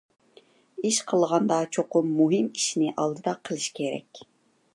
ئىش قىلغاندا چوقۇم مۇھىم ئىشنى ئالدىدا قىلىش كېرەك.